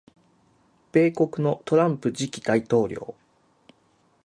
米国のトランプ次期大統領